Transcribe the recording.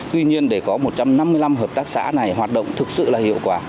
tuy nhiên để có một trăm năm mươi năm hợp tác xã này hoạt động thực sự là hiệu quả